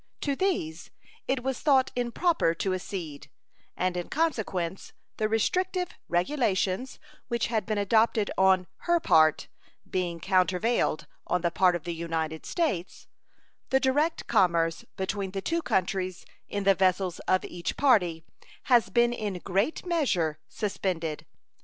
To these it was thought improper to accede, and in consequence the restrictive regulations which had been adopted on her part, being countervailed on the part of the United States, the direct commerce between the two countries in the vessels of each party has been in great measure suspended.